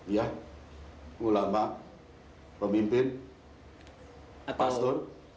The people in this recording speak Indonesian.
ya ulama pemimpin pastor